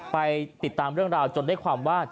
ไปติดตามเรื่องราวจนได้ความว่า